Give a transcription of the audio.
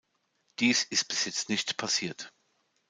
Dies ist bis jetzt nicht passiert.